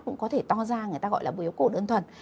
cũng có thể to ra người ta gọi là biểu khuẩn ơn thuần